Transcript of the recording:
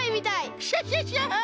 クシャシャシャ！